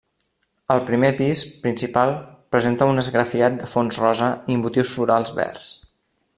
El primer pis, principal, presenta un esgrafiat de fons rosa i motius florals verds.